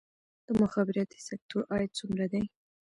د مخابراتي سکتور عاید څومره دی؟